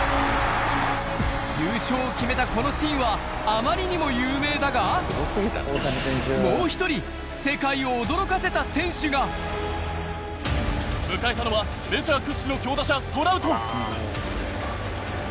優勝を決めたこのシーンはあまりにも有名だがもう１人迎えたのはメジャー屈指の強打者トラウト。